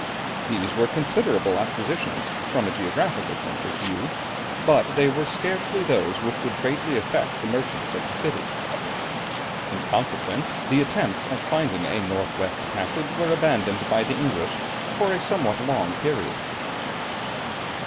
These were considerable acquisitions, from a geographical point of view, but they were scarcely those which would greatly affect the merchants of the city. In consequence, the attempts at finding a north west passage were abandoned by the English for a somewhat long period.